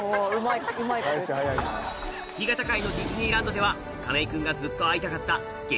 干潟界のディズニーランドでは亀井君がずっと会いたかった激